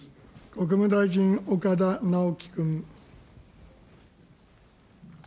国務大臣、岡田直樹君。